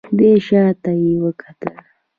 دی شا ته يې وکتل.